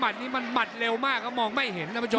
มัดนี้มันมัดเร็วมากมองไม่เห็นนะประชุม